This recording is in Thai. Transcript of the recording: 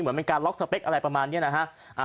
เหมือนเป็นการล็อกสเปคอะไรประมาณนี้นะฮะ